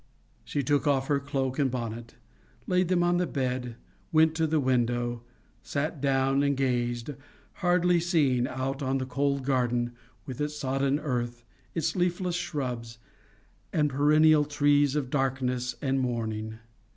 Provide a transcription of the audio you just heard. She took off her cloak and bonnet, laid them on the bed, went to the window, sat down, and gazed, hardly seeing, out on the cold garden with its sodden earth, its leafless shrubs, and perennial trees of darkness and mourning.